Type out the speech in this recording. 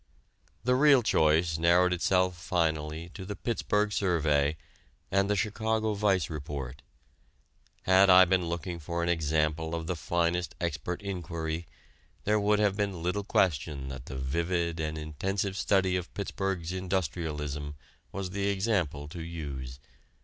The real choice narrowed itself finally to the Pittsburgh Survey and the Chicago Vice Report. Had I been looking for an example of the finest expert inquiry, there would have been little question that the vivid and intensive study of Pittsburgh's industrialism was the example to use.